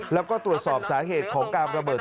แล้วก็ตรวจสอบสาเหตุของการระเบิด